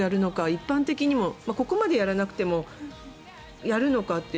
一般的にもここまでやらなくてもやるのかって。